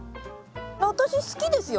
私好きですよ